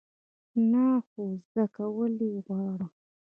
نه، خو زده کول یی غواړم